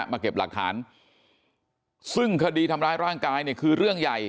มาเก็บหลักฐานซึ่งคดีทำร้ายร่างกายเนี่ยคือเรื่องใหญ่